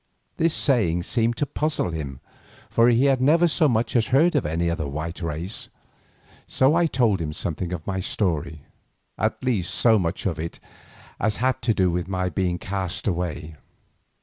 This saying seemed to puzzle him, for he had never so much as heard of any other white race, so I told him something of my story, at least so much of it as had to do with my being cast away.